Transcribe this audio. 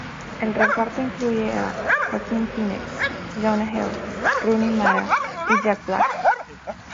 El reparto incluye a Joaquin Phoenix, Jonah Hill, Rooney Mara y Jack Black.